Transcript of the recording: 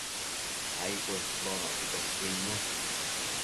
ai cuesbonocqui petuidnun